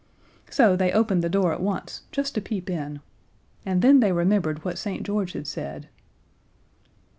So they opened the door at once just to peep in, and then they remembered what St. George had said.